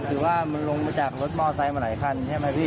คือว่ามันลงมาจากรถมอไซค์มาหลายคันใช่ไหมพี่